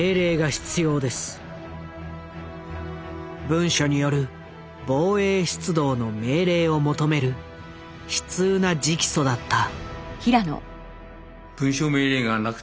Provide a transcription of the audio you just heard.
文書による防衛出動の命令を求める悲痛な直訴だった。